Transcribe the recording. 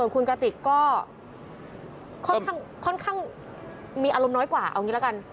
คุณกระติกก็ค่อนข้างมีอารมณ์น้อยกว่าเอางี้ละกัน